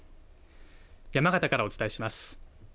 山形からお伝えします。